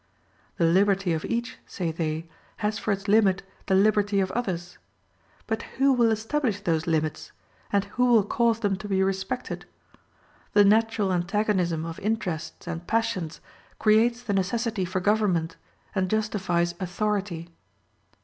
The liberty of each, say they, has for its limit the liberty of others; but who will establish those limits, and who will cause them to be respected? The natural antagonism of interests and passions creates the necessity for government, and justifies authority.